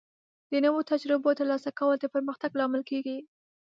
د نوو تجربو ترلاسه کول د پرمختګ لامل کیږي.